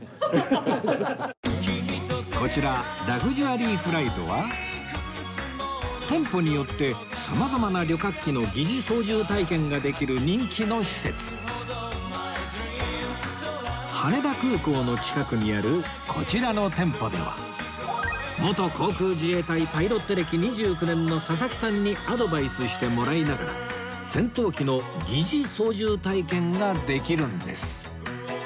こちら ＬＵＸＵＲＹＦＬＩＧＨＴ は店舗によって様々な旅客機の疑似操縦体験ができる人気の施設羽田空港の近くにあるこちらの店舗では元航空自衛隊パイロット歴２９年の佐々木さんにアドバイスしてもらいながら戦闘機の疑似操縦体験ができるんです